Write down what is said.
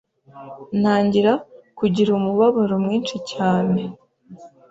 ntangira kugira umubabaro mwinshi cyane